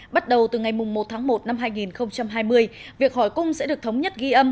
bắt đầu từ ngày một tháng một năm hai nghìn hai mươi việc hỏi cung sẽ được thống nhất ghi âm